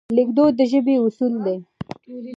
لیکدود د ژبې اصول دي.